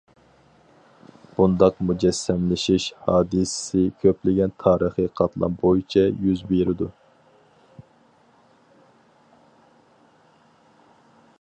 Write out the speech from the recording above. بۇنداق مۇجەسسەملىشىش ھادىسىسى كۆپلىگەن تارىخىي قاتلام بويىچە يۈز بېرىدۇ.